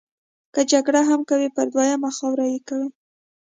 که جګړه هم کوي پر دویمه خاوره یې کوي.